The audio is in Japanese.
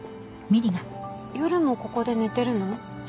夜もここで寝てるの？